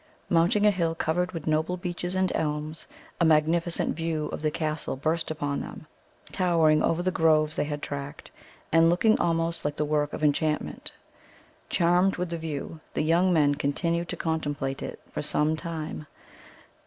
Mounting a hill covered with noble beeches and elms, a magnificent view of the castle burst upon them, towering over the groves they had tracked, and looking almost like the work of enchantment. Charmed with the view, the young men continued to contemplate it for some time.